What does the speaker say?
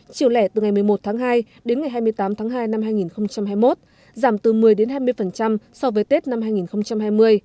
chiều lẻ từ ngày một mươi một tháng hai đến ngày hai mươi tám tháng hai năm hai nghìn hai mươi một giảm từ một mươi đến hai mươi so với tết năm hai nghìn hai mươi